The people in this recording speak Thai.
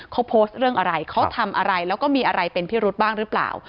เขาโพสต์เรื่องอะไรเขาทำอะไรแล้วก็มีอะไรเป็นพิรุธบ้างหรือเปล่า